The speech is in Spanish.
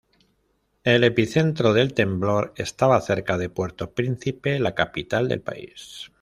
El epicentro del temblor estaba cerca de Puerto Príncipe, la capital del país.